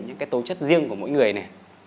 những cái tố chất riêng của mỗi người này